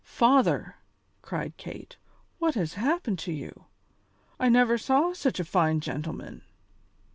"Father!" cried Kate, "what has happened to you? I never saw such a fine gentleman."